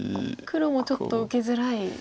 黒もちょっと受けづらい。